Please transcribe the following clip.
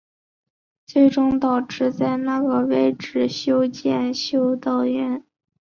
最终导致在那个位置修建修道院。